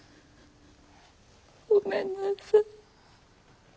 ごめんなさい。